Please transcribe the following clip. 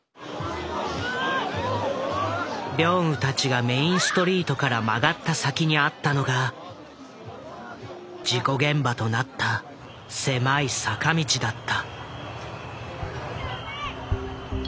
ビョンウたちがメインストリートから曲がった先にあったのが事故現場となった狭い坂道だった。